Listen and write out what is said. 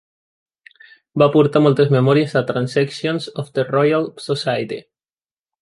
Va aportar moltes memòries a "Transactions of the Royal Society".